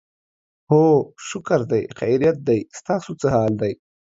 هو شکر دی، خیریت دی، ستاسو څه حال دی؟